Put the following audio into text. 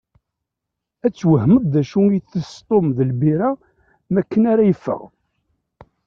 Ad twehmeḍ d acu itess Tom d lbira makken ara yeffeɣ.